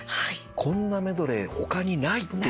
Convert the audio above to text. こんなメドレー他にないというね。